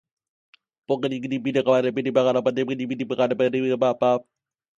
Jeffrey M. Anderson said, Aniston is the breeze in this movie.